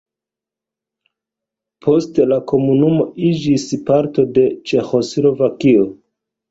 Poste la komunumo iĝis parto de Ĉeĥoslovakio.